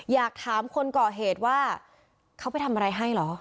อยากถามคนก่อเหตุว่าเขาไปทำอะไรให้เหรอ